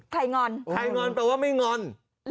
งอนใครงอนแปลว่าไม่งอน